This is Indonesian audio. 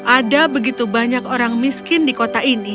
ada begitu banyak orang miskin di kota ini